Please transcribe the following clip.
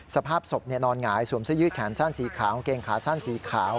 สภาพศพนอนหงายสวมเสื้อยืดแขนสั้นสีขาวกางเกงขาสั้นสีขาว